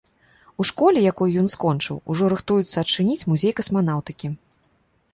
У школе, якую ён скончыў, ужо рыхтуюцца адчыніць музей касманаўтыкі.